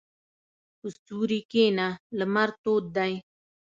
په سیوري کښېنه، لمر تود دی.